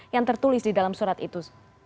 yang tertulis di dalam surat itu